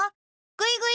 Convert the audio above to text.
ぐいぐい。